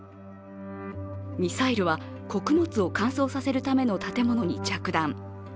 ミサイルは穀物を乾燥させるための建物に着弾。